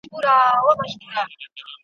یا دي زما له کوره ټول سامان دی وړی `